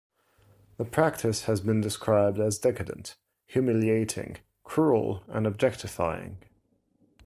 The practice has been described as decadent, humiliating, cruel, and objectifying.